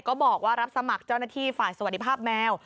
ก็บอกว่ารับสมัครเจ้าหน้าที่ฝ่ายสวัสดิภาพแมว